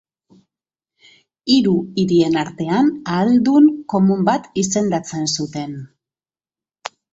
Hiru hirien artean ahaldun komun bat izendatzen zuten.